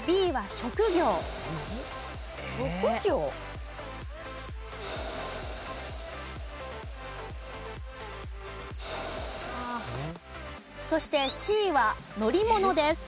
職業？そしてＣは乗り物です。